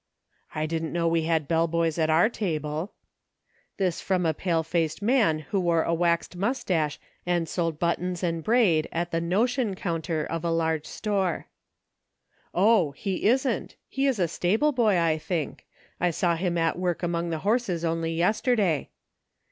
" I didn't know we had bell boys at our table." DIFFERING WORLDS. I99 This from a pale faced man who wore a waxed mustache and sold buttons and braid at the "no tion" counter of a large store. " Oh ! he isn't ; he is the stable boy, I think ; I saw him at work among the horses only yester day."